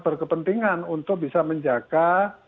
berkepentingan untuk bisa menjaga